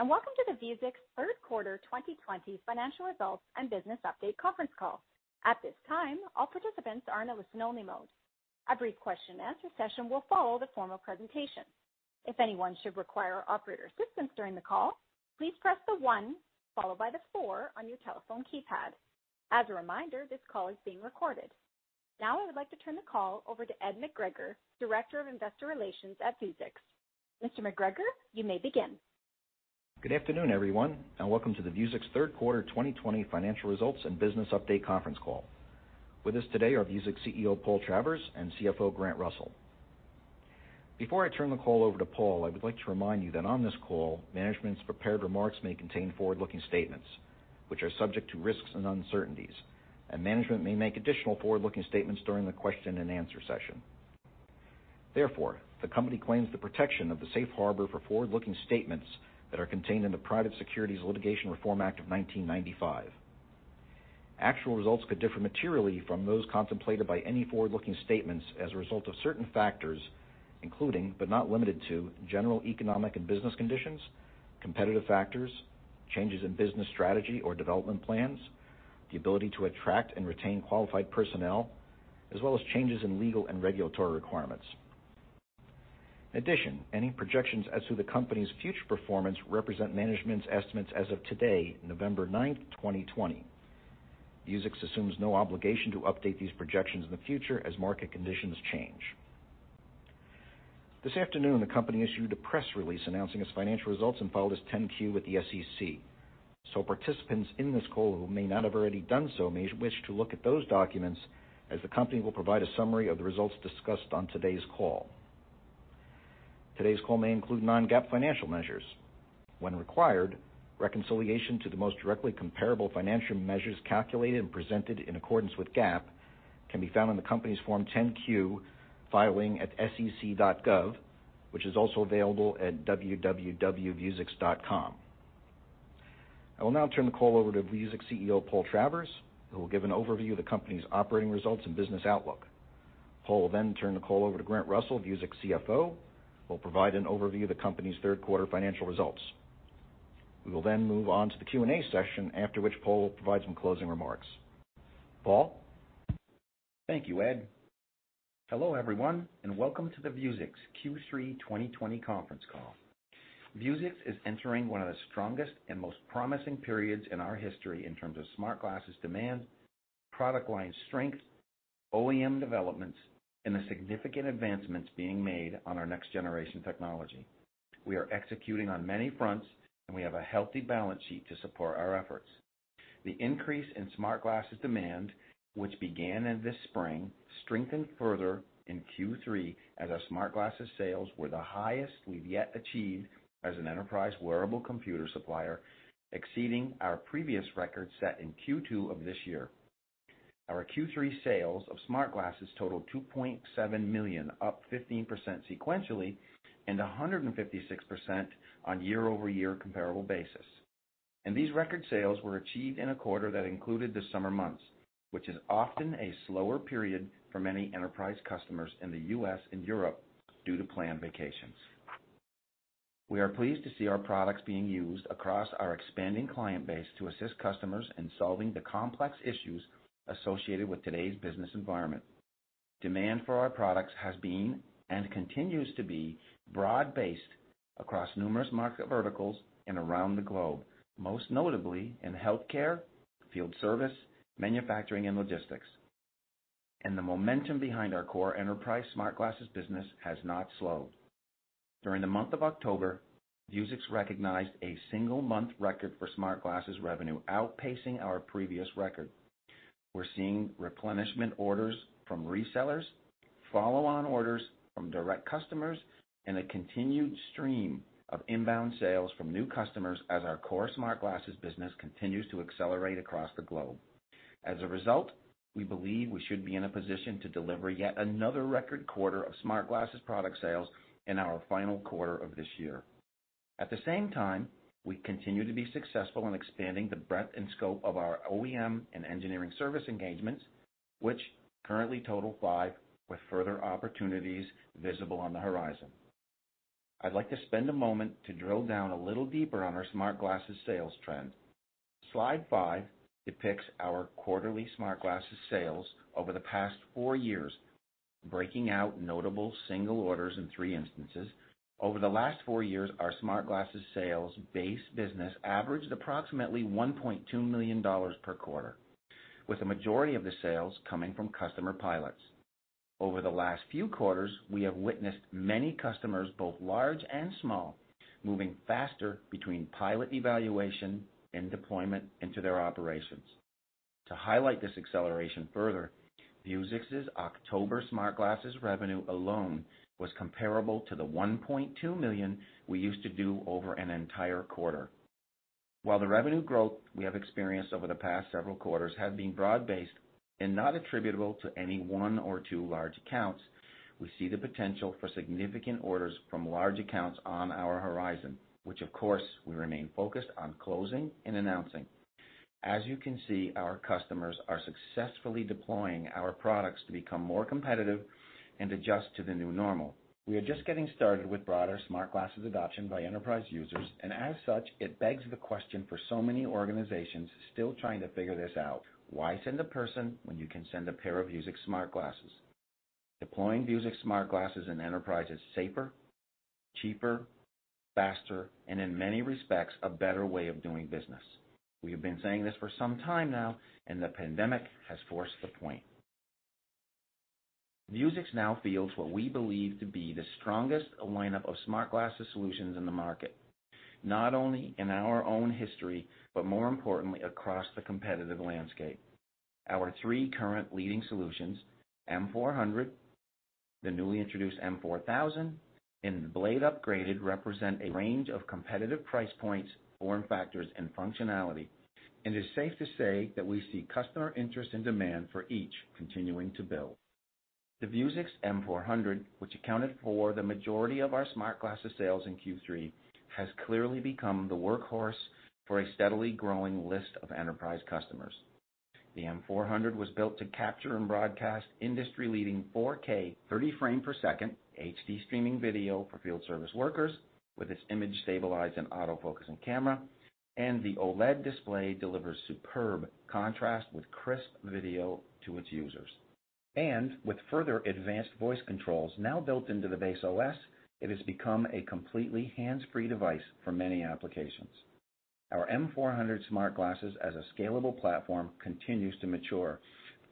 Greetings, and welcome to the Vuzix third quarter 2020 financial results and business update conference call. At this time all participants are in a only listen mode. A brief question and answer session will follow the formal presentation. If anyone should require operator assistance during the call, please press the one followed by the four on your telephone keypad. As a reminder, this call is being recorded. Now I would like to turn the call over to Ed McGregor, Director of Investor Relations at Vuzix. Mr. McGregor, you may begin. Good afternoon, everyone, and welcome to the Vuzix third quarter 2020 financial results and business update conference call. With us today are Vuzix CEO, Paul Travers, and CFO, Grant Russell. Before I turn the call over to Paul, I would like to remind you that on this call, management's prepared remarks may contain forward-looking statements which are subject to risks and uncertainties, and management may make additional forward-looking statements during the question and answer session. Therefore, the company claims the protection of the safe harbor for forward-looking statements that are contained in the Private Securities Litigation Reform Act of 1995. Actual results could differ materially from those contemplated by any forward-looking statements as a result of certain factors, including, but not limited to, general economic and business conditions, competitive factors, changes in business strategy or development plans, the ability to attract and retain qualified personnel, as well as changes in legal and regulatory requirements. In addition, any projections as to the company's future performance represent management's estimates as of today, November 9th, 2020. Vuzix assumes no obligation to update these projections in the future as market conditions change. This afternoon, the company issued a press release announcing its financial results and filed as 10-Q with the SEC. Participants in this call who may not have already done so may wish to look at those documents, as the company will provide a summary of the results discussed on today's call. Today's call may include non-GAAP financial measures. When required, reconciliation to the most directly comparable financial measures calculated and presented in accordance with GAAP can be found on the company's Form 10-Q filing at sec.gov, which is also available at www.vuzix.com. I will now turn the call over to Vuzix CEO, Paul Travers, who will give an overview of the company's operating results and business outlook. Paul will turn the call over to Grant Russell, Vuzix CFO, who will provide an overview of the company's third quarter financial results. We will move on to the Q&A session, after which Paul will provide some closing remarks. Paul? Thank you, Ed. Hello, everyone, and welcome to the Vuzix Q3 2020 conference call. Vuzix is entering one of the strongest and most promising periods in our history in terms of smart glasses demand, product line strength, OEM developments, and the significant advancements being made on our next generation technology. We are executing on many fronts, and we have a healthy balance sheet to support our efforts. The increase in smart glasses demand, which began in the spring, strengthened further in Q3 as our smart glasses sales were the highest we've yet achieved as an enterprise wearable computer supplier, exceeding our previous record set in Q2 of this year. Our Q3 sales of smart glasses totaled $2.7 million, up 15% sequentially and 156% on year-over-year comparable basis. These record sales were achieved in a quarter that included the summer months, which is often a slower period for many enterprise customers in the U.S. and Europe due to planned vacations. We are pleased to see our products being used across our expanding client base to assist customers in solving the complex issues associated with today's business environment. Demand for our products has been, and continues to be, broad-based across numerous market verticals and around the globe, most notably in healthcare, field service, manufacturing, and logistics. The momentum behind our core enterprise smart glasses business has not slowed. During the month of October, Vuzix recognized a single month record for smart glasses revenue, outpacing our previous record. We're seeing replenishment orders from resellers, follow-on orders from direct customers, and a continued stream of inbound sales from new customers as our core smart glasses business continues to accelerate across the globe. As a result, we believe we should be in a position to deliver yet another record quarter of smart glasses product sales in our final quarter of this year. At the same time, we continue to be successful in expanding the breadth and scope of our OEM and engineering service engagements, which currently total five, with further opportunities visible on the horizon. I'd like to spend a moment to drill down a little deeper on our smart glasses sales trend. Slide five depicts our quarterly smart glasses sales over the past four years, breaking out notable single orders in three instances. Over the last four years, our smart glasses sales base business averaged approximately $1.2 million per quarter, with the majority of the sales coming from customer pilots. Over the last few quarters, we have witnessed many customers, both large and small, moving faster between pilot evaluation and deployment into their operations. To highlight this acceleration further, Vuzix's October smart glasses revenue alone was comparable to the $1.2 million we used to do over an entire quarter. While the revenue growth we have experienced over the past several quarters have been broad-based and not attributable to any one or two large accounts, we see the potential for significant orders from large accounts on our horizon, which of course, we remain focused on closing and announcing. As you can see, our customers are successfully deploying our products to become more competitive and adjust to the new normal. We are just getting started with broader smart glasses adoption by enterprise users, and as such, it begs the question for so many organizations still trying to figure this out: why send a person when you can send a pair of Vuzix smart glasses? Deploying Vuzix smart glasses in enterprise is safer, cheaper, faster, and in many respects, a better way of doing business. We have been saying this for some time now, and the pandemic has forced the point. Vuzix now fields what we believe to be the strongest lineup of smart glasses solutions in the market, not only in our own history, but more importantly, across the competitive landscape. Our three current leading solutions, M400, the newly introduced M4000, and Blade Upgraded represent a range of competitive price points, form factors, and functionality. It is safe to say that we see customer interest and demand for each continuing to build. The Vuzix M400, which accounted for the majority of our smart glasses sales in Q3, has clearly become the workhorse for a steadily growing list of enterprise customers. The M400 was built to capture and broadcast industry-leading 4K, 30-frame-per-second HD streaming video for field service workers with its image-stabilized and auto-focusing camera, and the OLED display delivers superb contrast with crisp video to its users. With further advanced voice controls now built into the base OS, it has become a completely hands-free device for many applications. Our M400 smart glasses as a scalable platform continues to mature,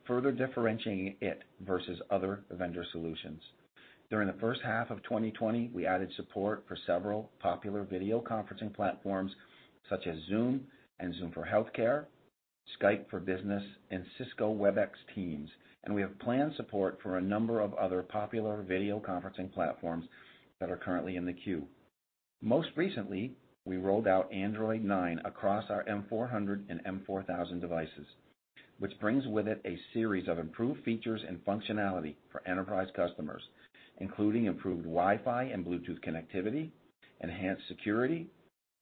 further differentiating it versus other vendor solutions. During the first half of 2020, we added support for several popular video conferencing platforms such as Zoom and Zoom for Healthcare, Skype for Business, and Cisco Webex Teams. We have planned support for a number of other popular video conferencing platforms that are currently in the queue. Most recently, we rolled out Android 9 across our M400 and M4000 devices, which brings with it a series of improved features and functionality for enterprise customers, including improved Wi-Fi and Bluetooth connectivity, enhanced security,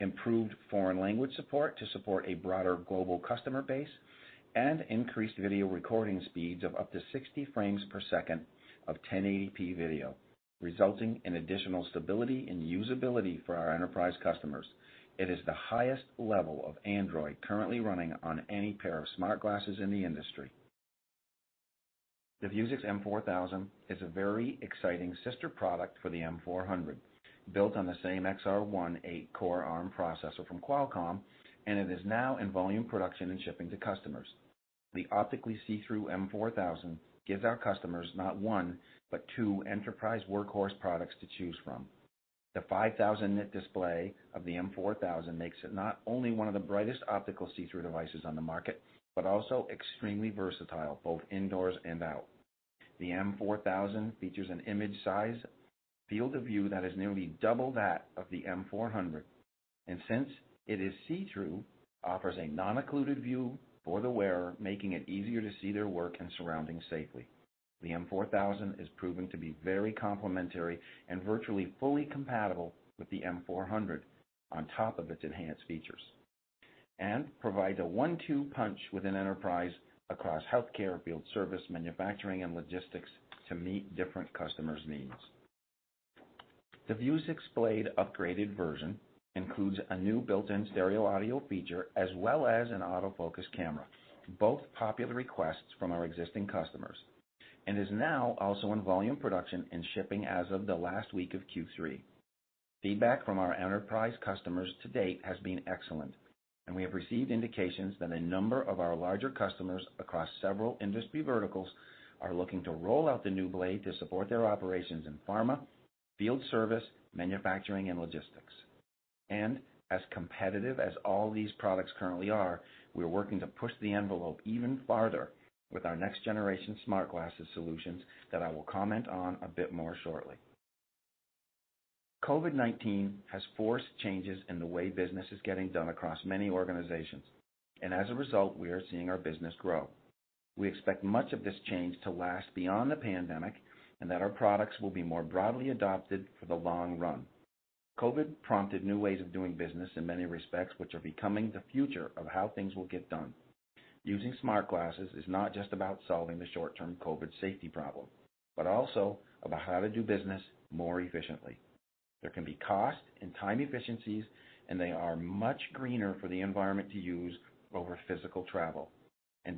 improved foreign language support to support a broader global customer base, and increased video recording speeds of up to 60-frames-per-second of 1080p video, resulting in additional stability and usability for our enterprise customers. It is the highest level of Android currently running on any pair of smart glasses in the industry. The Vuzix M4000 is a very exciting sister product for the M400, built on the same XR1 8-core ARM processor from Qualcomm, and it is now in volume production and shipping to customers. The optically see-through M4000 gives our customers not one, but two enterprise workhorse products to choose from. The 5,000 nit display of the M4000 makes it not only one of the brightest optical see-through devices on the market, but also extremely versatile both indoors and out. The M4000 features an image size field of view that is nearly double that of the M400, and since it is see-through, offers a non-occluded view for the wearer, making it easier to see their work and surroundings safely. The M4000 is proving to be very complementary and virtually fully compatible with the M400 on top of its enhanced features and provides a one-two punch within enterprise across healthcare, field service, manufacturing, and logistics to meet different customers' needs. The Vuzix Blade Upgraded includes a new built-in stereo audio feature as well as an autofocus camera, both popular requests from our existing customers, and is now also in volume production and shipping as of the last week of Q3. Feedback from our enterprise customers to date has been excellent, and we have received indications that a number of our larger customers across several industry verticals are looking to roll out the new Blade to support their operations in pharma, field service, manufacturing, and logistics. As competitive as all these products currently are, we are working to push the envelope even farther with our next-generation smart glasses solutions that I will comment on a bit more shortly. COVID-19 has forced changes in the way business is getting done across many organizations, and as a result, we are seeing our business grow. We expect much of this change to last beyond the pandemic and that our products will be more broadly adopted for the long run. COVID prompted new ways of doing business in many respects, which are becoming the future of how things will get done. Using smart glasses is not just about solving the short-term COVID safety problem, but also about how to do business more efficiently. There can be cost and time efficiencies, and they are much greener for the environment to use over physical travel.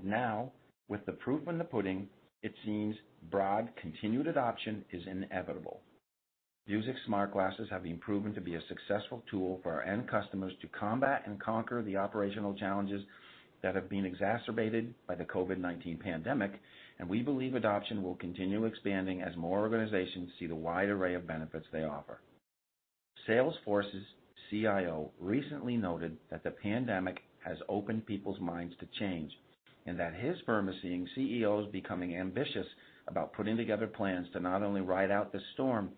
Now, with the proof in the pudding, it seems broad continued adoption is inevitable. Vuzix smart glasses have been proven to be a successful tool for our end customers to combat and conquer the operational challenges that have been exacerbated by the COVID-19 pandemic, and we believe adoption will continue expanding as more organizations see the wide array of benefits they offer. Salesforce's CIO recently noted that the pandemic has opened people's minds to change and that his firm is seeing CEOs becoming ambitious about putting together plans to not only ride out this storm,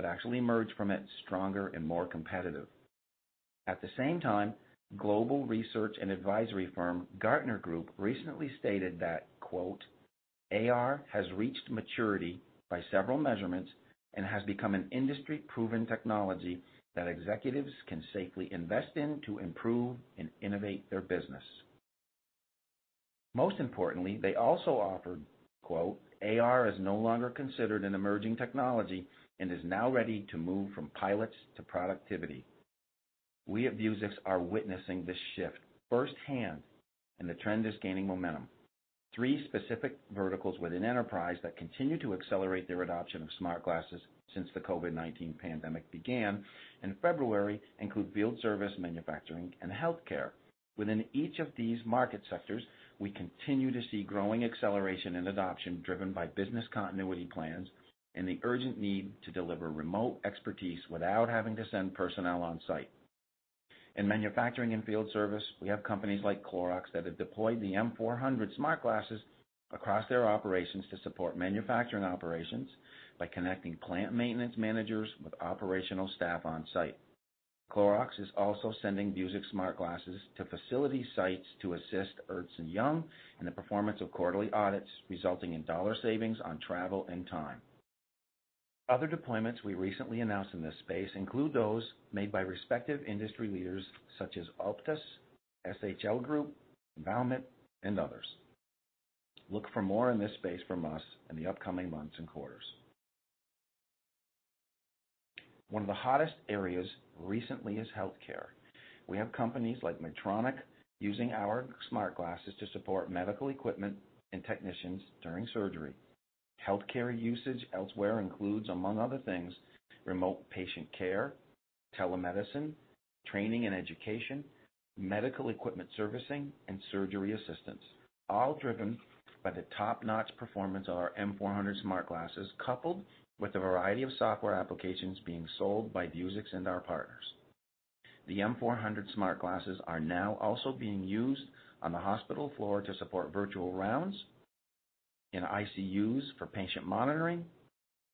but actually emerge from it stronger and more competitive. At the same time, global research and advisory firm Gartner Group recently stated that, "AR has reached maturity by several measurements and has become an industry-proven technology that executives can safely invest in to improve and innovate their business." Most importantly, they also offered, "AR is no longer considered an emerging technology and is now ready to move from pilots to productivity." We at Vuzix are witnessing this shift firsthand, and the trend is gaining momentum. three specific verticals with an enterprise that continue to accelerate their adoption of smart glasses since the COVID-19 pandemic began in February include field service, manufacturing, and healthcare. Within each of these market sectors, we continue to see growing acceleration and adoption driven by business continuity plans and the urgent need to deliver remote expertise without having to send personnel on site. In manufacturing and field service, we have companies like Clorox that have deployed the M400 smart glasses across their operations to support manufacturing operations by connecting plant maintenance managers with operational staff on site. Clorox is also sending Vuzix smart glasses to facility sites to assist Ernst & Young in the performance of quarterly audits, resulting in dollar savings on travel and time. Other deployments we recently announced in this space include those made by respective industry leaders such as Optus, SHL Group, Envision, and others. Look for more in this space from us in the upcoming months and quarters. One of the hottest areas recently is healthcare. We have companies like Medtronic using our smart glasses to support medical equipment and technicians during surgery. Healthcare usage elsewhere includes, among other things, remote patient care, telemedicine, training and education, medical equipment servicing, and surgery assistance, all driven by the top-notch performance of our M400 smart glasses, coupled with a variety of software applications being sold by Vuzix and our partners. The M400 smart glasses are now also being used on the hospital floor to support virtual rounds, in ICUs for patient monitoring,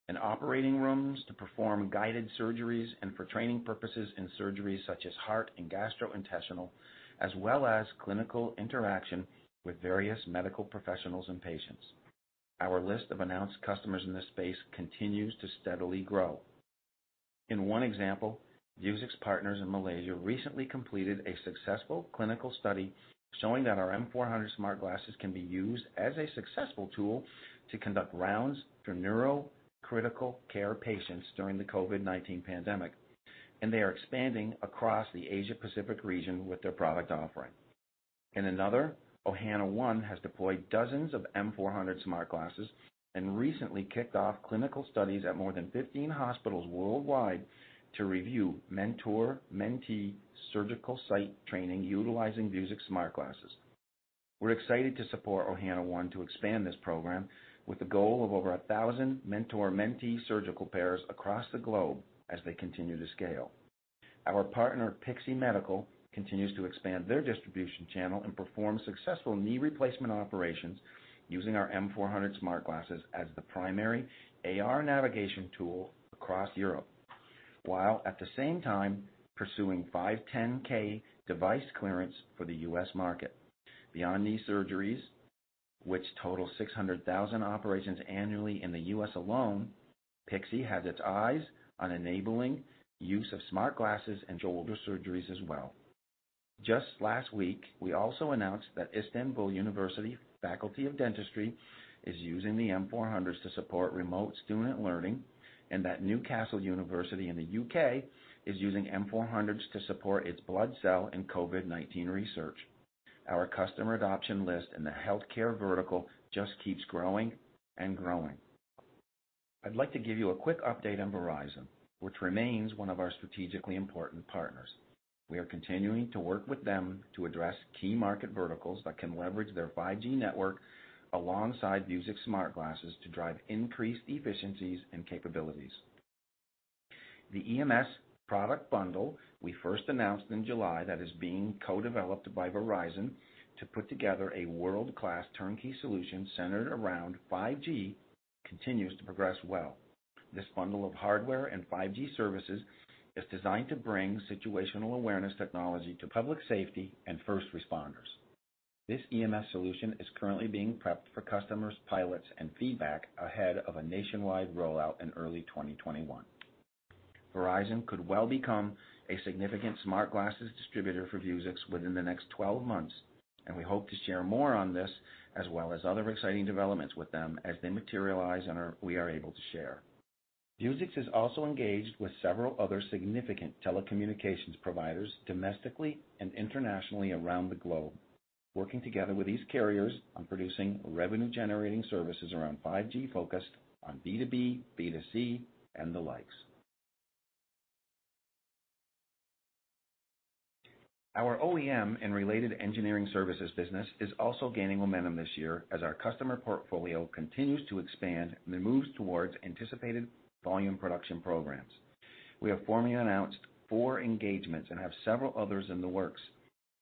in operating rooms to perform guided surgeries and for training purposes in surgeries such as heart and gastrointestinal, as well as clinical interaction with various medical professionals and patients. Our list of announced customers in this space continues to steadily grow. In one example, Vuzix partners in Malaysia recently completed a successful clinical study showing that our M400 smart glasses can be used as a successful tool to conduct rounds for neurocritical care patients during the COVID-19 pandemic, and they are expanding across the Asia-Pacific region with their product offering. In another, Ohana One has deployed dozens of M400 smart glasses and recently kicked off clinical studies at more than 15 hospitals worldwide to review mentor-mentee surgical site training utilizing Vuzix smart glasses. We're excited to support Ohana One to expand this program with the goal of over 1,000 mentor-mentee surgical pairs across the globe as they continue to scale. Our partner, Pixee Medical, continues to expand their distribution channel and perform successful knee replacement operations using our M400 smart glasses as the primary AR navigation tool across Europe, while at the same time pursuing 510(k) device clearance for the U.S. market. Beyond knee surgeries, which total 600,000 operations annually in the U.S. alone, Pixee has its eyes on enabling use of smart glasses and shoulder surgeries as well. Just last week, we also announced that Istanbul University Faculty of Dentistry is using the M400s to support remote student learning and that Newcastle University in the U.K. is using M400s to support its blood cell and COVID-19 research. Our customer adoption list in the healthcare vertical just keeps growing and growing. I'd like to give you a quick update on Verizon, which remains one of our strategically important partners. We are continuing to work with them to address key market verticals that can leverage their 5G network alongside Vuzix smart glasses to drive increased efficiencies and capabilities. The EMS product bundle we first announced in July that is being co-developed by Verizon to put together a world-class turnkey solution centered around 5G continues to progress well. This bundle of hardware and 5G services is designed to bring situational awareness technology to public safety and first responders. This EMS solution is currently being prepped for customers, pilots, and feedback ahead of a nationwide rollout in early 2021. Verizon could well become a significant smart glasses distributor for Vuzix within the next 12 months, and we hope to share more on this as well as other exciting developments with them as they materialize and we are able to share. Vuzix is also engaged with several other significant telecommunications providers domestically and internationally around the globe, working together with these carriers on producing revenue-generating services around 5G focused on B2B, B2C, and the likes. Our OEM and related engineering services business is also gaining momentum this year as our customer portfolio continues to expand and it moves towards anticipated volume production programs. We have formally announced four engagements and have several others in the works.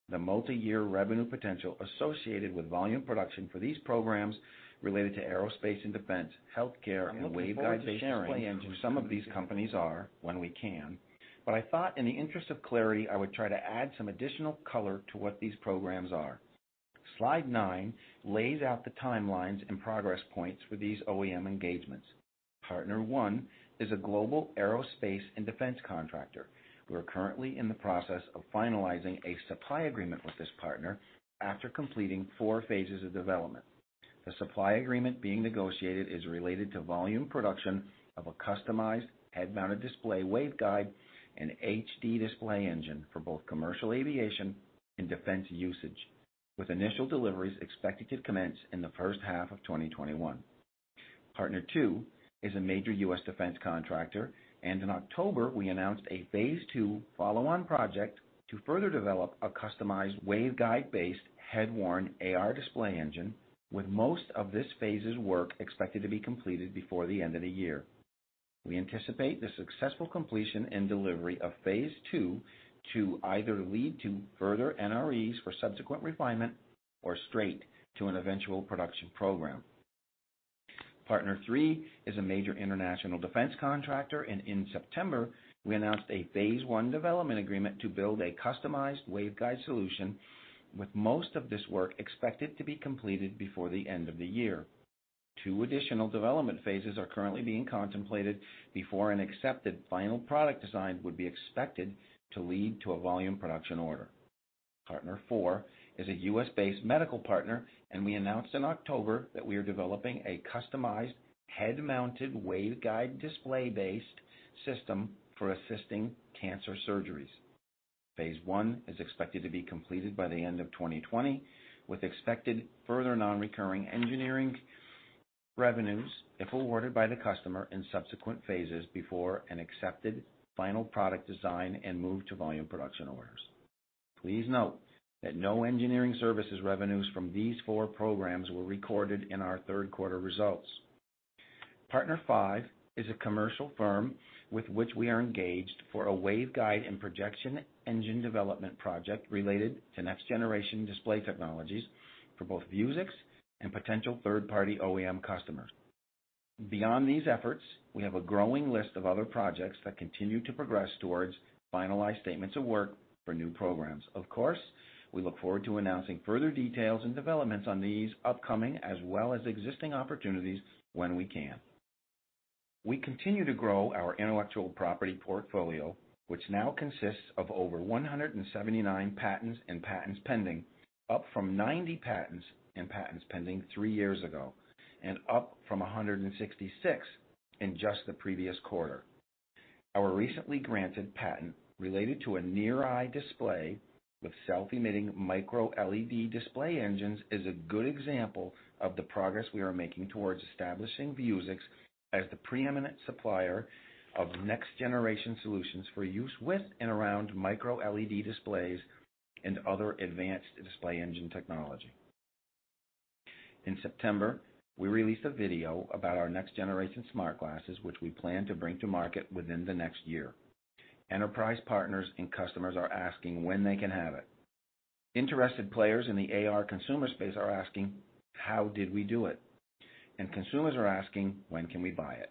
The multiyear revenue potential associated with volume production for these programs related to aerospace and defense, healthcare, and the waveguide-based display engine. I look forward to sharing who some of these companies are when we can. I thought in the interest of clarity, I would try to add some additional color to what these programs are. Slide nine lays out the timelines and progress points for these OEM engagements. Partner one is a global aerospace and defense contractor. We are currently in the process of finalizing a supply agreement with this partner after completing four phases of development. The supply agreement being negotiated is related to volume production of a customized head-mounted display waveguide and HD display engine for both commercial aviation and defense usage, with initial deliveries expected to commence in the first half of 2021. Partner two is a major U.S. defense contractor, and in October, we announced a phase II follow-on project to further develop a customized waveguide-based head-worn AR display engine, with most of this phase's work expected to be completed before the end of the year. We anticipate the successful completion and delivery of phase II to either lead to further NREs for subsequent refinement or straight to an eventual production program. Partner three is a major international defense contractor, and in September, we announced a phase I development agreement to build a customized waveguide solution, with most of this work expected to be completed before the end of the year. Two additional development phases are currently being contemplated before an accepted final product design would be expected to lead to a volume production order. Partner four is a U.S.-based medical partner, and we announced in October that we are developing a customized head-mounted waveguide display-based system for assisting cancer surgeries. Phase I is expected to be completed by the end of 2020, with expected further non-recurring engineering revenues, if awarded by the customer in subsequent phases before an accepted final product design and move to volume production orders. Please note that no engineering services revenues from these four programs were recorded in our third quarter results. Partner five is a commercial firm with which we are engaged for a waveguide and projection engine development project related to next-generation display technologies for both Vuzix and potential third-party OEM customers. Beyond these efforts, we have a growing list of other projects that continue to progress towards finalized statements of work for new programs. Of course, we look forward to announcing further details and developments on these upcoming as well as existing opportunities when we can. We continue to grow our intellectual property portfolio, which now consists of over 179 patents and patents pending, up from 90 patents and patents pending three years ago, and up from 166 in just the previous quarter. Our recently granted patent related to a near-eye display with self-emitting microLED display engines is a good example of the progress we are making towards establishing Vuzix as the preeminent supplier of next-generation solutions for use with and around microLED displays and other advanced display engine technology. In September, we released a video about our next-generation smart glasses, which we plan to bring to market within the next year. Enterprise partners and customers are asking when they can have it. Interested players in the AR consumer space are asking, "How did we do it?" Consumers are asking, "When can we buy it?"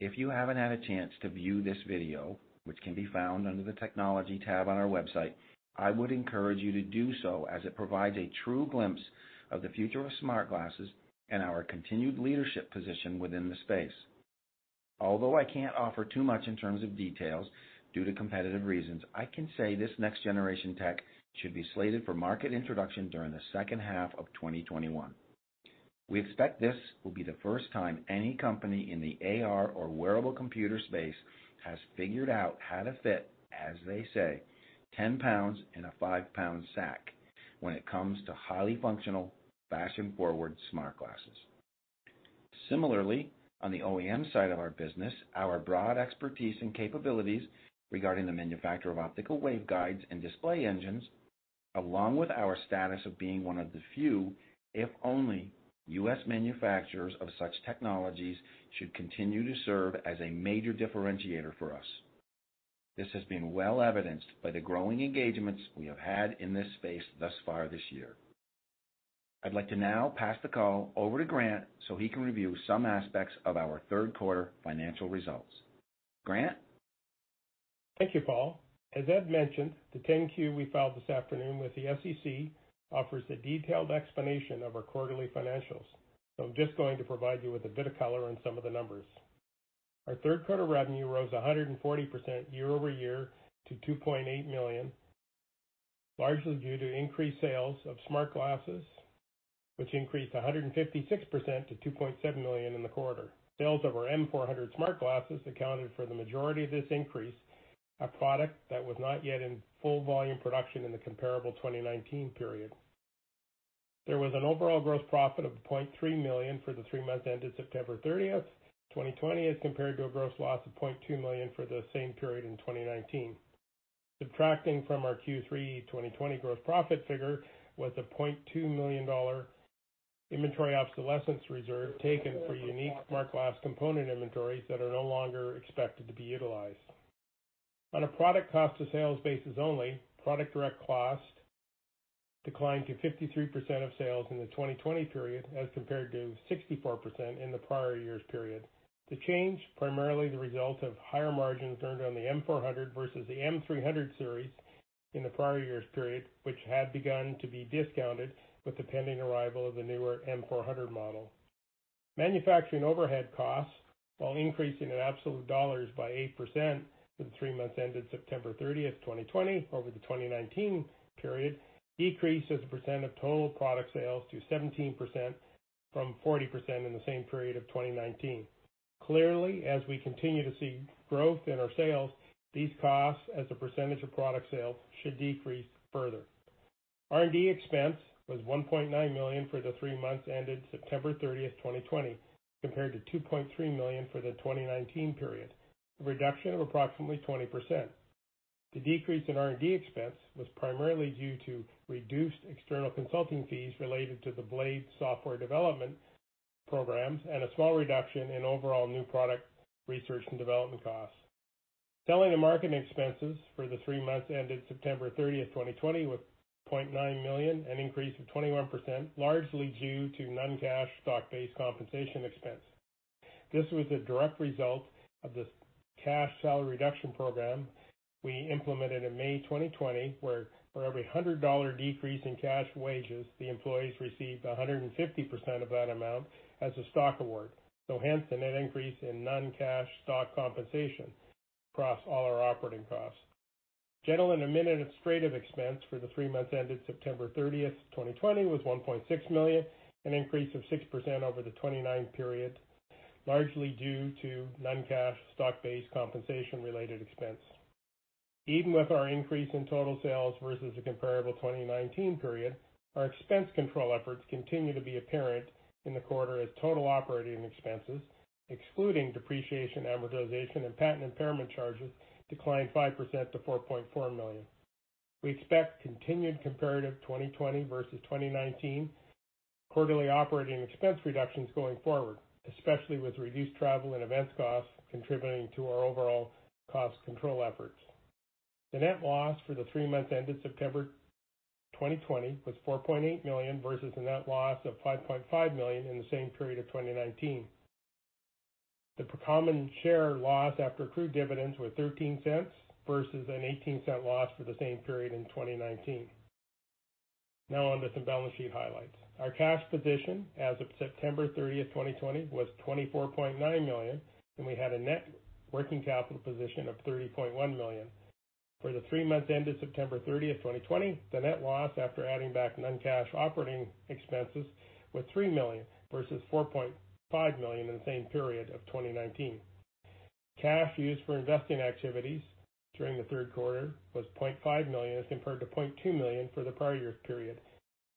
If you haven't had a chance to view this video, which can be found under the Technology tab on our website, I would encourage you to do so as it provides a true glimpse of the future of smart glasses and our continued leadership position within the space. Although I can't offer too much in terms of details due to competitive reasons, I can say this next-generation tech should be slated for market introduction during the second half of 2021. We expect this will be the first time any company in the AR or wearable computer space has figured out how to fit, as they say, 10 pounds in a 5-pound sack when it comes to highly functional, fashion-forward smart glasses. Similarly, on the OEM side of our business, our broad expertise and capabilities regarding the manufacture of optical waveguides and display engines, along with our status of being one of the few, if only, U.S. manufacturers of such technologies, should continue to serve as a major differentiator for us. This has been well evidenced by the growing engagements we have had in this space thus far this year. I'd like to now pass the call over to Grant so he can review some aspects of our third quarter financial results. Grant? Thank you, Paul. As Ed mentioned, the 10-Q we filed this afternoon with the SEC offers a detailed explanation of our quarterly financials. I'm just going to provide you with a bit of color on some of the numbers. Our third quarter revenue rose 140% year-over-year to $2.8 million, largely due to increased sales of smart glasses, which increased 156% to $2.7 million in the quarter. Sales of our M400 smart glasses accounted for the majority of this increase, a product that was not yet in full volume production in the comparable 2019 period. There was an overall gross profit of $0.3 million for the three months ended September 30th, 2020, as compared to a gross loss of $0.2 million for the same period in 2019. Subtracting from our Q3 2020 gross profit figure was a $0.2 million inventory obsolescence reserve taken for unique smart glass component inventories that are no longer expected to be utilized. On a product cost of sales basis only, product direct cost declined to 53% of sales in the 2020 period as compared to 64% in the prior year's period. The change, primarily the result of higher margins earned on the M400 versus the M300 series in the prior year's period, which had begun to be discounted with the pending arrival of the newer M400 model. Manufacturing overhead costs, while increasing in absolute dollars by 8% for the three months ended September 30th, 2020 over the 2019 period, decreased as a percent of total product sales to 17% from 40% in the same period of 2019. Clearly, as we continue to see growth in our sales, these costs as a percentage of product sales should decrease further. R&D expense was $1.9 million for the three months ended September 30th, 2020, compared to $2.3 million for the 2019 period, a reduction of approximately 20%. The decrease in R&D expense was primarily due to reduced external consulting fees related to the Blade software development programs and a small reduction in overall new product research and development costs. Selling and marketing expenses for the three months ended September 30th, 2020, were $0.9 million, an increase of 21%, largely due to non-cash stock-based compensation expense. This was a direct result of the cash salary reduction program we implemented in May 2020, where for every $100 decrease in cash wages, the employees received 150% of that amount as a stock award, so hence the net increase in non-cash stock compensation across all our operating costs. General and administrative expense for the three months ended September 30th, 2020, was $1.6 million, an increase of 6% over the 2019 period, largely due to non-cash stock-based compensation-related expense. Even with our increase in total sales versus the comparable 2019 period, our expense control efforts continue to be apparent in the quarter as total operating expenses, excluding depreciation, amortization, and patent impairment charges, declined 5% to $4.4 million. We expect continued comparative 2020 versus 2019 quarterly operating expense reductions going forward, especially with reduced travel and events costs contributing to our overall cost control efforts. The net loss for the three months ended September 2020 was $4.8 million versus a net loss of $5.5 million in the same period of 2019. The per common share loss after accrued dividends was $0.13 versus a $0.18 loss for the same period in 2019. Now on to some balance sheet highlights. Our cash position as of September 30th, 2020, was $24.9 million, and we had a net working capital position of $30.1 million. For the three months ended September 30th, 2020, the net loss, after adding back non-cash operating expenses, was $3 million versus $4.5 million in the same period of 2019. Cash used for investing activities during the third quarter was $0.5 million as compared to $0.2 million for the prior year's period,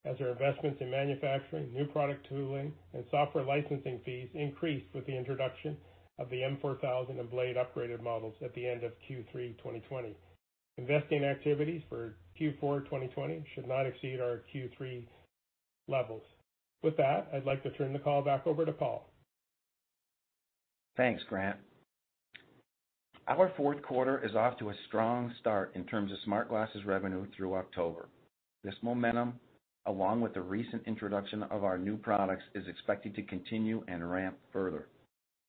as our investments in manufacturing, new product tooling, and software licensing fees increased with the introduction of the M4000 and Blade Upgraded models at the end of Q3 2020. Investing activities for Q4 2020 should not exceed our Q3 levels. With that, I'd like to turn the call back over to Paul. Thanks, Grant. Our fourth quarter is off to a strong start in terms of smart glasses revenue through October. This momentum, along with the recent introduction of our new products, is expected to continue and ramp further.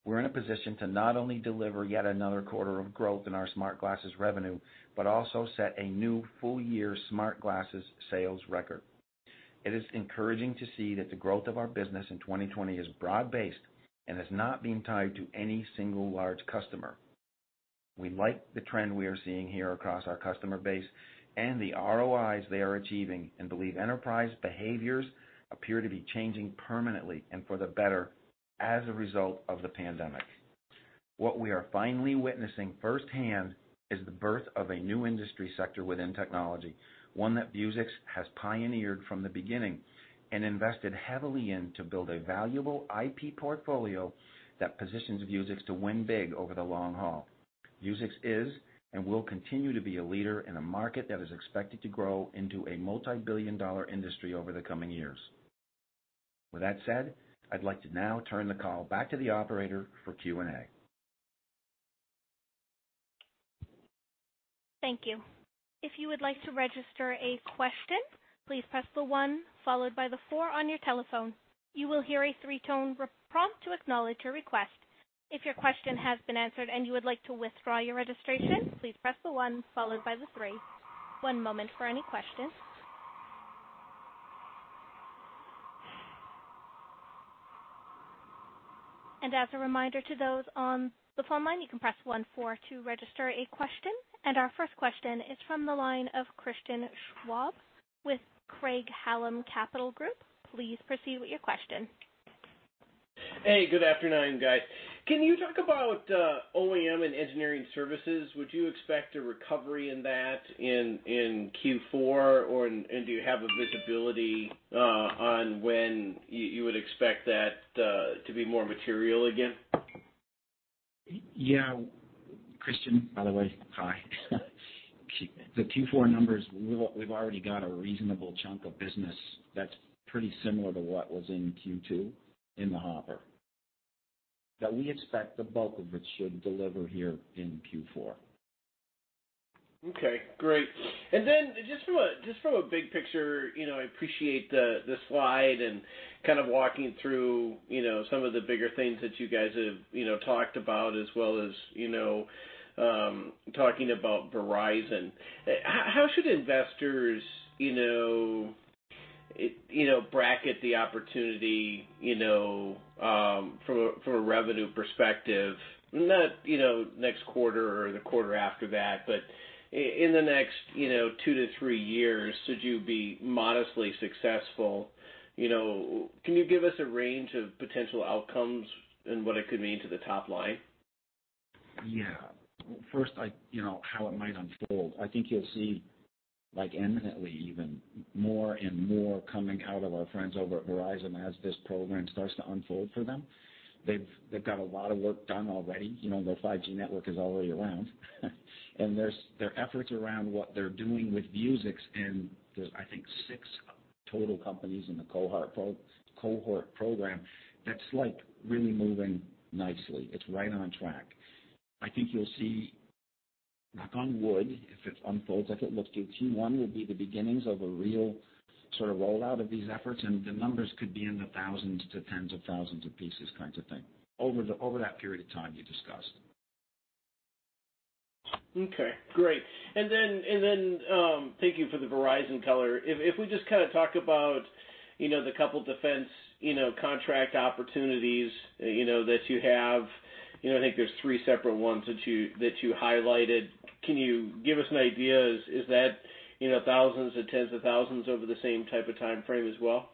We're in a position to not only deliver yet another quarter of growth in our smart glasses revenue, but also set a new full-year smart glasses sales record. It is encouraging to see that the growth of our business in 2020 is broad-based and has not been tied to any single large customer. We like the trend we are seeing here across our customer base and the ROIs they are achieving and believe enterprise behaviors appear to be changing permanently and for the better as a result of the pandemic. What we are finally witnessing firsthand is the birth of a new industry sector within technology, one that Vuzix has pioneered from the beginning and invested heavily in to build a valuable IP portfolio that positions Vuzix to win big over the long haul. Vuzix is and will continue to be a leader in a market that is expected to grow into a multibillion-dollar industry over the coming years. With that said, I'd like to now turn the call back to the operator for Q&A. Thank you. If you would like to register a question, please press the one followed by the four on your telephone. You will hear a three-tone prompt to acknowledge your request. If your question has been answered and you would like to withdraw your registration, please press the one followed by the three. One moment for any questions. And as a reminder to those on the phone line, you can press one-four to register a question. And our first question is from the line of Christian Schwab with Craig-Hallum Capital Group. Please proceed with your question. Hey, good afternoon, guys. Can you talk about OEM and engineering services? Would you expect a recovery in that in Q4, and do you have a visibility on when you would expect that to be more material again? Yeah. Christian, by the way, hi. The Q4 numbers, we've already got a reasonable chunk of business that's pretty similar to what was in Q2 in the hopper, that we expect the bulk of it should deliver here in Q4. Okay, great. Just from a big picture, I appreciate the slide and kind of walking through some of the bigger things that you guys have talked about as well as talking about Verizon. How should investors, you know bracket the opportunity from a revenue perspective, not next quarter or the quarter after that, but in the next two to three years, should you be modestly successful. Can you give us a range of potential outcomes and what it could mean to the top line? Yeah. First, how it might unfold. I think you'll see imminently even, more and more coming out of our friends over at Verizon as this program starts to unfold for them. They've got a lot of work done already. Their 5G network is already around. Their efforts around what they're doing with Vuzix, and there's, I think, six total companies in the cohort program that's really moving nicely. It's right on track. I think you'll see, knock on wood, if it unfolds like it looks, Q1 will be the beginnings of a real sort of rollout of these efforts, and the numbers could be in the thousands to tens of thousands of pieces kind of thing, over that period of time you discussed. Okay, great. Thank you for the Verizon color. If we just talk about the couple defense contract opportunities that you have. I think there's three separate ones that you highlighted. Can you give us an idea? Is that thousands or tens of thousands over the same type of timeframe as well?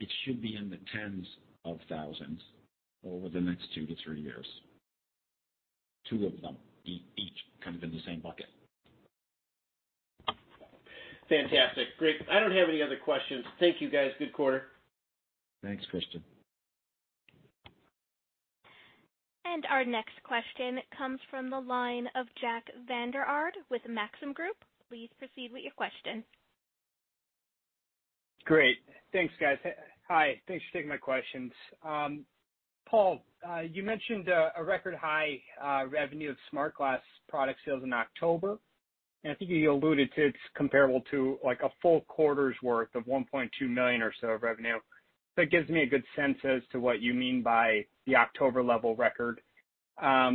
It should be in the tens of thousands over the next two to three years. Two of them, each kind of in the same bucket. Fantastic. Great. I don't have any other questions. Thank you, guys. Good quarter. Thanks, Christian. Our next question comes from the line of Jack Vander Aarde with Maxim Group. Please proceed with your question. Great. Thanks, guys. Hi, thanks for taking my questions. Paul, you mentioned a record-high revenue of smart glass product sales in October, and I think you alluded to it's comparable to a full quarter's worth of $1.2 million or so of revenue. That gives me a good sense as to what you mean by the October level record. I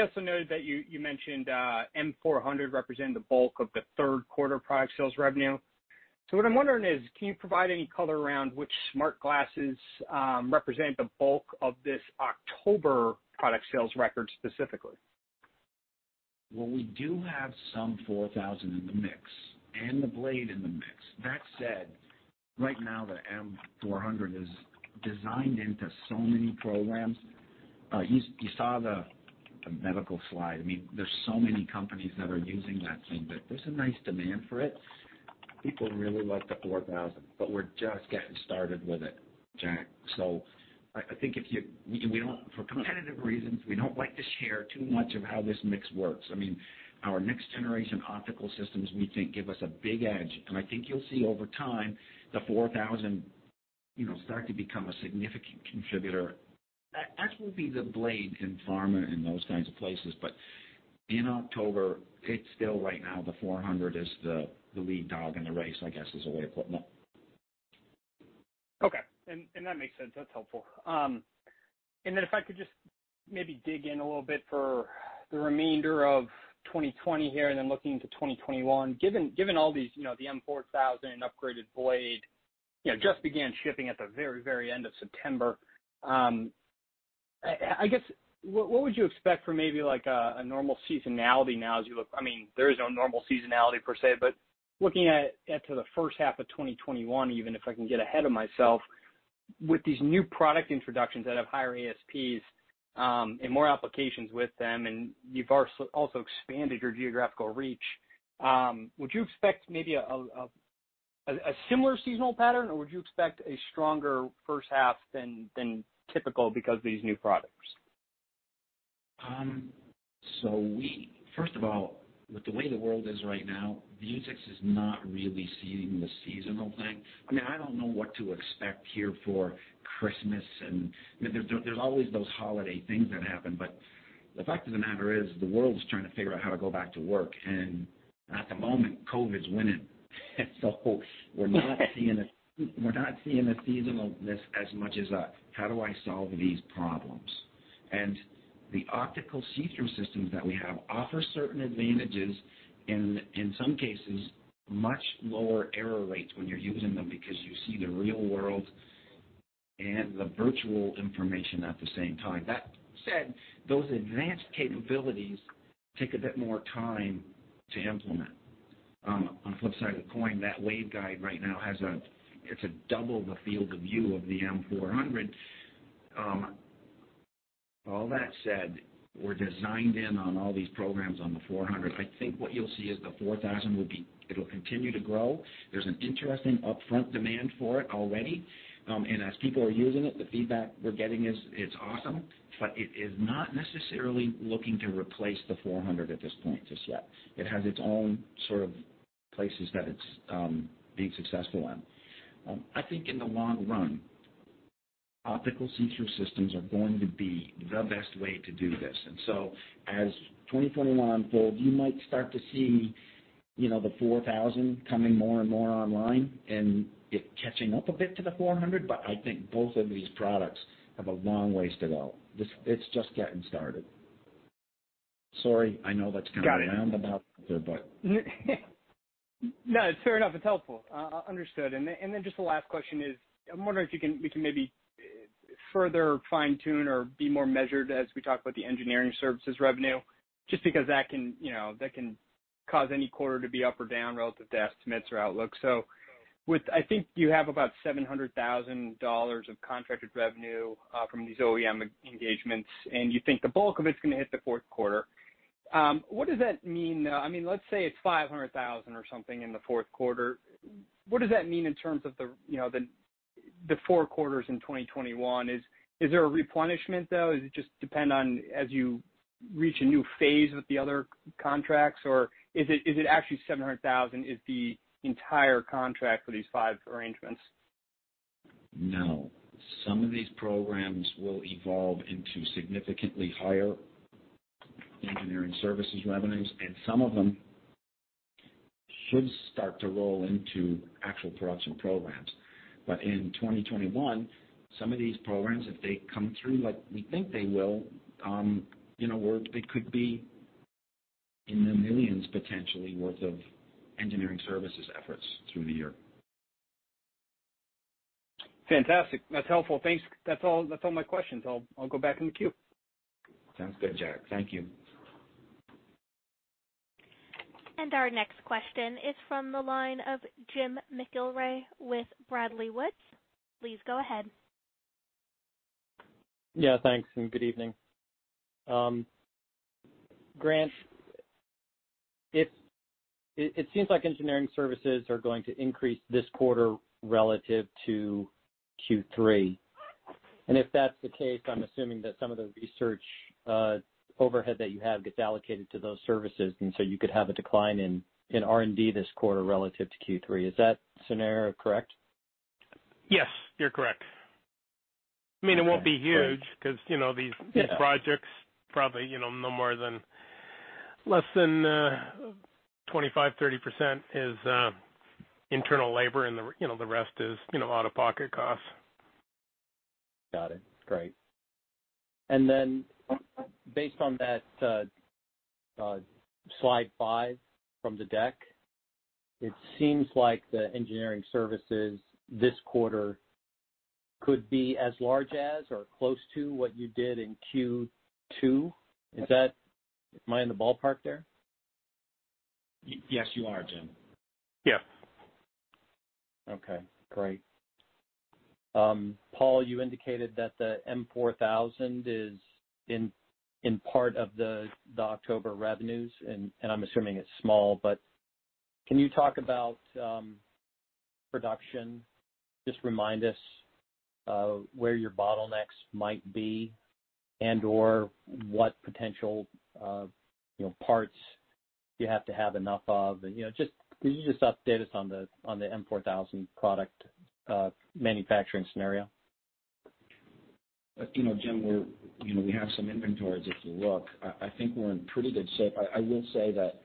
also noted that you mentioned M400 representing the bulk of the third quarter product sales revenue. What I'm wondering is, can you provide any color around which smart glasses represent the bulk of this October product sales record specifically? Well, we do have some 4000 in the mix, and the Blade in the mix. That said, right now the M400 is designed into so many programs. You saw the medical slide. There's so many companies that are using that thing that there's a nice demand for it. People really like the 4000. We're just getting started with it, Jack. I think for competitive reasons, we don't like to share too much of how this mix works. Our next-generation optical systems, we think, give us a big edge, and I think you'll see over time the 4000 start to become a significant contributor. That will be the Blade in pharma and those kinds of places. In October, it's still right now the 400 is the lead dog in the race, I guess, is a way of putting it. Okay. That makes sense. That's helpful. If I could just maybe dig in a little bit for the remainder of 2020 here, and then looking into 2021. Given all these, the M4000, upgraded Blade just began shipping at the very, very end of September. I guess, what would you expect for maybe a normal seasonality now as you look. There is no normal seasonality per se, but looking into the first half of 2021 even, if I can get ahead of myself, with these new product introductions that have higher ASPs and more applications with them, and you've also expanded your geographical reach. Would you expect maybe a similar seasonal pattern, or would you expect a stronger first half than typical because of these new products? First of all, with the way the world is right now, Vuzix is not really seeing the seasonal thing. I don't know what to expect here for Christmas, and there's always those holiday things that happen, but the fact of the matter is, the world is trying to figure out how to go back to work, and at the moment, COVID's winning. We're not seeing the seasonalness as much as a how do I solve these problems? The optical see-through systems that we have offer certain advantages, in some cases, much lower error rates when you're using them because you see the real world and the virtual information at the same time. That said, those advanced capabilities take a bit more time to implement. On the flip side of the coin, that waveguide right now it's a double the field of view of the M400. All that said, we're designed in on all these programs on the 400. I think what you'll see is the 4000 will continue to grow. There's an interesting upfront demand for it already. as people are using it, the feedback we're getting is it's awesome, but it is not necessarily looking to replace the 400 at this point just yet. It has its own sort of places that it's being successful in. I think in the long run, optical see-through systems are going to be the best way to do this. as 2021 folds, you might start to see the 4000 coming more and more online and it catching up a bit to the 400. I think both of these products have a long ways to go. It's just getting started. Got it Sorry. I know that's kind of roundabout there, but No, it's fair enough. It's helpful. Understood. just the last question is, I'm wondering if we can maybe further fine-tune or be more measured as we talk about the engineering services revenue, just because that can cause any quarter to be up or down relative to estimates or outlook. I think you have about $700,000 of contracted revenue from these OEM engagements, and you think the bulk of it's going to hit the fourth quarter. What does that mean? Let's say it's $500,000 or something in the fourth quarter. What does that mean in terms of the four quarters in 2021? Is there a replenishment, though? Does it just depend on as you reach a new phase with the other contracts, or is it actually $700,000 is the entire contract for these five arrangements? No. Some of these programs will evolve into significantly higher engineering services revenues, and some of them should start to roll into actual production programs. In 2021, some of these programs, if they come through like we think they will, it could be in the millions potentially worth of engineering services efforts through the year. Fantastic. That's helpful. Thanks. That's all my questions. I'll go back in the queue. Sounds good, Jack. Thank you. Our next question is from the line of Jim McIlree with Bradley Woods. Please go ahead. Yeah, thanks, and good evening. Grant, it seems like engineering services are going to increase this quarter relative to Q3. if that's the case, I'm assuming that some of the research overhead that you have gets allocated to those services, and so you could have a decline in R&D this quarter relative to Q3. Is that scenario correct? Yes, you're correct. It won't be huge- Yeah Because these projects probably less than 25%, 30% is internal labor, and the rest is out-of-pocket costs. Got it. Great. Based on that slide five from the deck, it seems like the engineering services this quarter could be as large as or close to what you did in Q2. Am I in the ballpark there? Yes, you are, Jim. Yeah. Okay, great. Paul, you indicated that the M4000 is in part of the October revenues, and I'm assuming it's small, but can you talk about production? Just remind us where your bottlenecks might be and/or what potential parts you have to have enough of. Can you just update us on the M4000 product manufacturing scenario? Jim, we have some inventories if you look. I think we're in pretty good shape. I will say that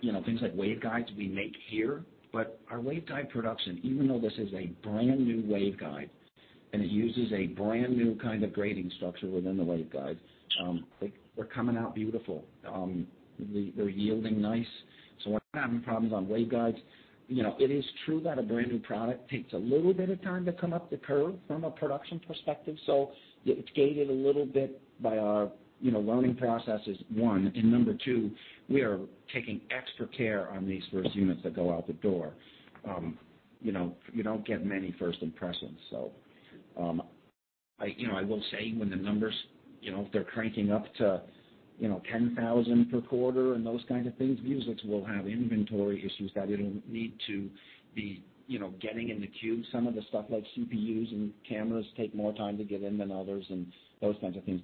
things like waveguides we make here, but our waveguide production, even though this is a brand-new waveguide, and it uses a brand-new kind of grading structure within the waveguide, they're coming out beautiful. They're yielding nice. We're not having problems on waveguides. It is true that a brand-new product takes a little bit of time to come up the curve from a production perspective. It's gated a little bit by our learning processes, one, and number two, we are taking extra care on these first units that go out the door. You don't get many first impressions. I will say when the numbers, if they're cranking up to 10,000 per quarter and those kinds of things, Vuzix will have inventory issues that it'll need to be getting in the queue. Some of the stuff like CPUs and cameras take more time to get in than others and those kinds of things.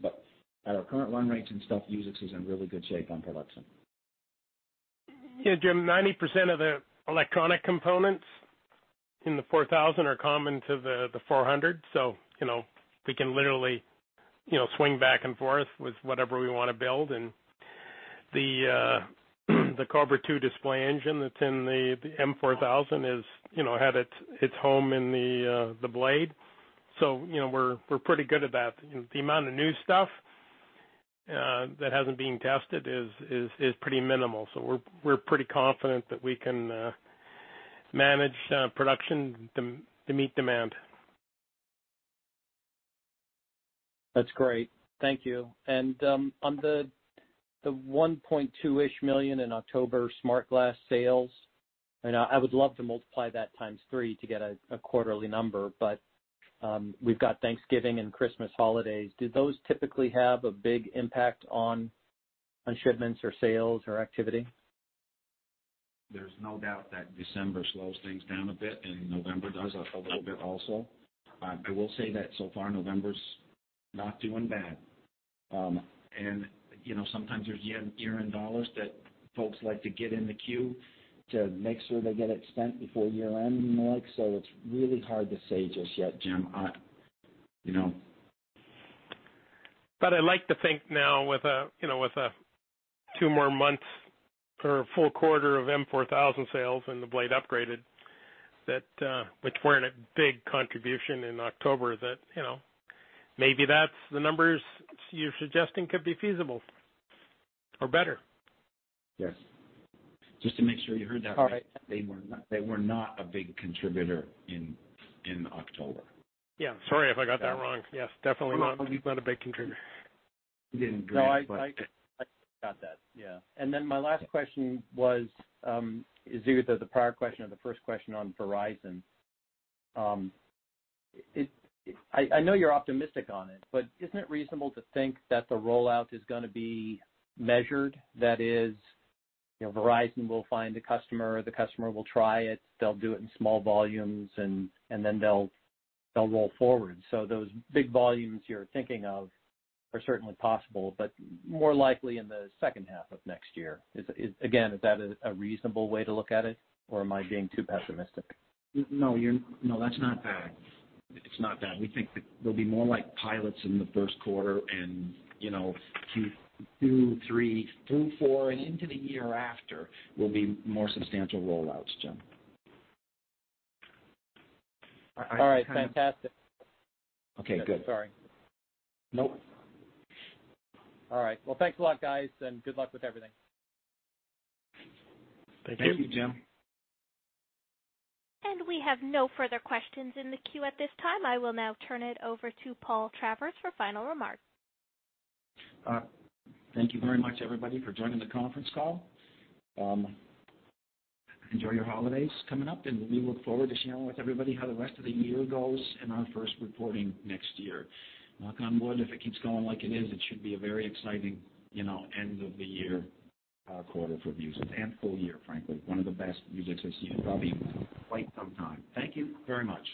at our current run rates and stuff, Vuzix is in really good shape on production. Yeah, Jim, 90% of the electronic components in the 4000 are common to the 400, so we can literally swing back and forth with whatever we want to build. The Cobra II display engine that's in the M4000 had its home in the Blade. We're pretty good at that. The amount of new stuff that hasn't been tested is pretty minimal. We're pretty confident that we can manage production to meet demand. That's great. Thank you. On the $1.2-ish million in October smart glass sales, and I would love to multiply that times three to get a quarterly number, but we've got Thanksgiving and Christmas holidays. Do those typically have a big impact on shipments or sales or activity? There's no doubt that December slows things down a bit, and November does a little bit also. I will say that so far, November's not doing bad. Sometimes there's year-end dollars that folks like to get in the queue to make sure they get it spent before year-end and the like, so it's really hard to say just yet, Jim. I like to think now with two more months or a full quarter of M4000 sales and the Blade Upgraded which weren't a big contribution in October that maybe that's the numbers you're suggesting could be feasible or better. Yes. Just to make sure you heard that right. All right. They were not a big contributor in October. Yeah. Sorry if I got that wrong. Yes, definitely not a big contributor. You didn't, Grant. No, I got that. Yeah. My last question was either the prior question or the first question on Verizon. I know you're optimistic on it, but isn't it reasonable to think that the rollout is going to be measured? That is, Verizon will find a customer, the customer will try it, they'll do it in small volumes, and then they'll roll forward. Those big volumes you're thinking of are certainly possible, but more likely in the second half of next year. Again, is that a reasonable way to look at it, or am I being too pessimistic? No, that's not bad. It's not that. We think that they'll be more like pilots in the first quarter, and Q2, three through four, and into the year after will be more substantial roll-outs, Jim. All right. Fantastic. Okay, good. Sorry. Nope. All right. Well, thanks a lot, guys, and good luck with everything. Thank you. Thank you, Jim. We have no further questions in the queue at this time. I will now turn it over to Paul Travers for final remarks. Thank you very much, everybody, for joining the conference call. Enjoy your holidays coming up, and we look forward to sharing with everybody how the rest of the year goes in our first reporting next year. Knock on wood, if it keeps going like it is, it should be a very exciting end of the year, quarter for Vuzix, and full year, frankly, one of the best Vuzix has seen probably in quite some time. Thank you very much.